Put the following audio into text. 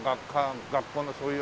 学校のそういうあれで。